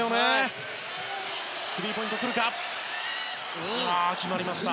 スリーポイント決まりました。